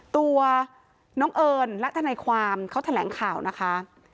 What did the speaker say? ตัวน้องเอิญและทนายความเขาแถลงข่าวนะคะ